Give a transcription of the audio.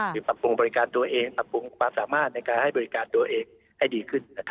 คือปรับปรุงบริการตัวเองปรับปรุงความสามารถในการให้บริการตัวเองให้ดีขึ้น